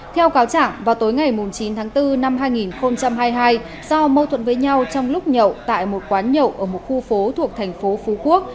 theo cáo chẳng vào tối ngày chín tháng bốn năm hai nghìn hai mươi hai do mâu thuẫn với nhau trong lúc nhậu tại một quán nhậu ở một khu phố thuộc thành phố phú quốc